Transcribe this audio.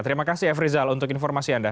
terima kasih frizo untuk informasi anda